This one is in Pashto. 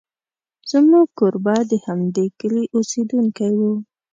زموږ کوربه د همدې کلي اوسېدونکی و.